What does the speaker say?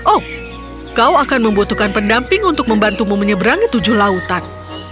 oh kau akan membutuhkan pendamping untuk membantumu menyeberangi tujuh lautan